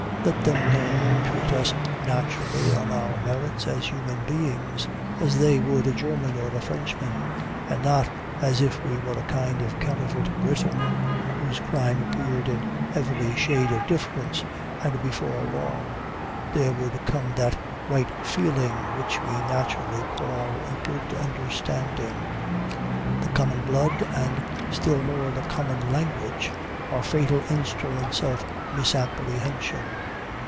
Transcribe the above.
Let them learn to treat us naturally on our merits as human beings, as they would a German or a Frenchman, and not as if we were a kind of counterfeit Briton whose crime appeared in every shade of difference, and before long there would come that right feeling which we naturally call a good understanding. The common blood, and still more the common language, are fatal instruments of misapprehension.